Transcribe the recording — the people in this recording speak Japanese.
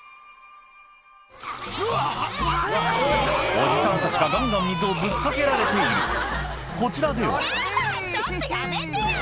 おじさんたちがガンガン水をぶっかけられているこちらではちょっとやめてよ！